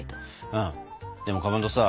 うんでもかまどさ